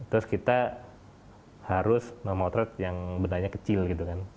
terus kita harus memotret yang betahnya kecil gitu kan